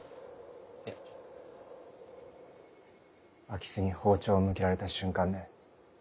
空き巣に包丁を向けられた瞬間ね。